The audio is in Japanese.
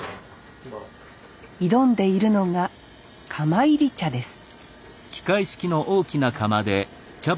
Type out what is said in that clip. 挑んでいるのが釜炒り茶です